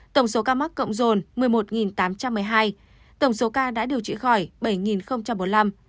tổng số ca mắc cộng dồn một mươi một tám trăm một mươi hai tổng số ca đã điều trị khỏi bảy bốn mươi năm